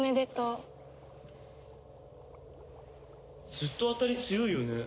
ずっと当たり強いよね。